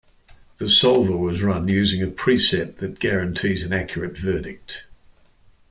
The solver was run using a preset that guarantees an accurate verdict.